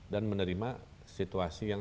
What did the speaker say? dan menerima situasi yang